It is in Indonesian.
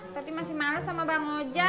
tapi masih males sama mbak moja